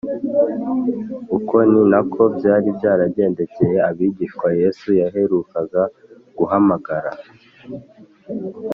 uko ni nako byari byaragendekeye abigishwa yesu yaherukaga guhamagara